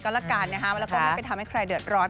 แล้วกันนะฮะแล้วก็ไม่ไปทำให้ใครเดือดร้อน